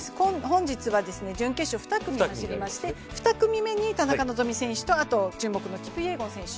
本日は準決勝２組走りまして２組目に田中希実選手と注目のキプイエゴン選手。